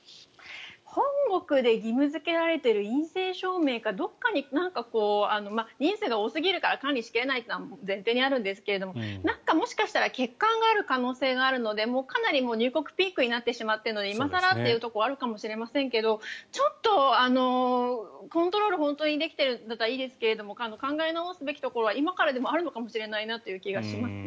本国で義務付けられている陰性証明がどこかに人数が多すぎるから管理できないというのが前提にあるんですけどもしかしたら欠陥がある可能性があるのでかなり入国ピークになってしまっているので今更というところはあるのかもしれませんがコントロールが本当にできているならいいですが考え直すべきところは今からでもあるのかもしれないなという気がします。